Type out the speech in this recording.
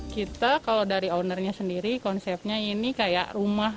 kita kalau dari ownernya sendiri konsepnya ini kayak rumah